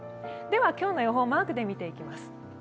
今日の予報をマークで見ていきます。